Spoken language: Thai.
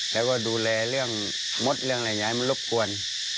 แล้วก็ดูแลเรื่องมดเรื่องอะไรอย่างนี้มันรบกวน